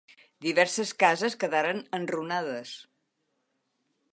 Diverses cases quedaren enrunades.